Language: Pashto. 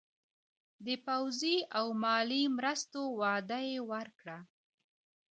د پوځي او مالي مرستو وعده یې ورکړه.